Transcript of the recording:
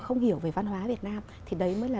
không hiểu về văn hóa việt nam thì đấy mới là